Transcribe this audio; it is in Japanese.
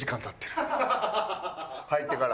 入ってから？